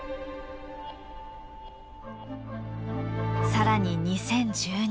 更に２０１２年。